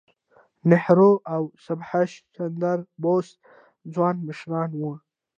نهرو او سبهاش چندر بوس ځوان مشران وو.